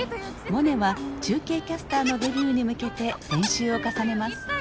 モネは中継キャスターのデビューに向けて練習を重ねます。